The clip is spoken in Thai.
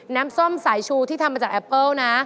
น้ำส้มสายชูที่ทำมาจากแอปเปิ้ลนะ